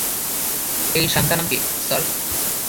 এই সান্থানাম কে, স্যার?